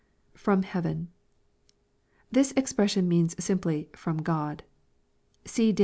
[FVom heaven.] This expressios^ means ^mply " from Qod%* (See Dan.